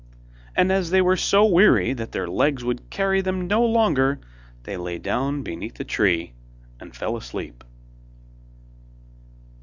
And as they were so weary that their legs would carry them no longer, they lay down beneath a tree and fell asleep.